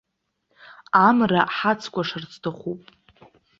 Амра ҳацкәашар сҭахуп.